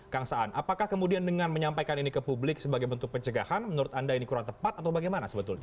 kang saan apakah kemudian dengan menyampaikan ini ke publik sebagai bentuk pencegahan menurut anda ini kurang tepat atau bagaimana sebetulnya